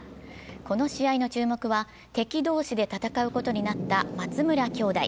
この試合の注目は敵同士で戦うことになった松村きょうだい。